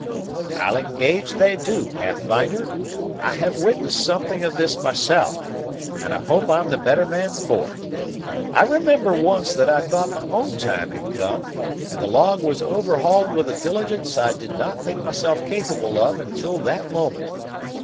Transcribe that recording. "I'll engage they do, Pathfinder. I have witnessed something of this myself, and hope I'm the better man for it. I remember once that I thought my own time had come, and the log was overhauled with a diligence I did not think myself capable of until that moment.